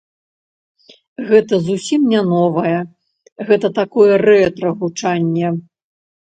Гэта зусім не новае, гэта такое рэтра-гучанне.